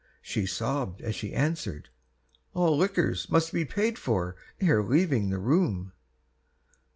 She sobbed, as she answered, "All liquors Must be paid for ere leaving the room."